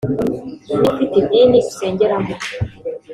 Niba ufite idini usengeramo